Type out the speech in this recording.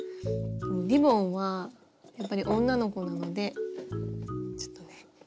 リボンはやっぱり女の子なのでちょっとね